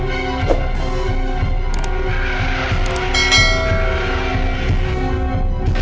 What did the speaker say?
awas ya ampun